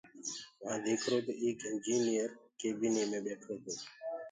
وهآنٚ ديکرو تو ايڪ اِنجنئير ڪيبيني مي ٻيٺو تو۔